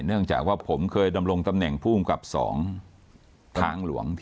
เนื่องจากว่าผมเคยดำรงตำแหน่งภูมิกับ๒ทางหลวง